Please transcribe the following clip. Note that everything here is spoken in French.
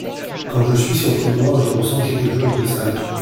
Quand je suis sur le trottoir, je ressens quelque chose de sale.